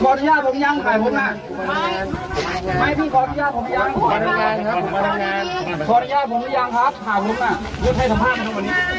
ขออนุญาตผมรึยังครับถ่ายผมน่ะยกให้สัมภาพทั้งวันนี้